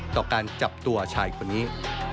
ต่อการจับตัวชายคนนี้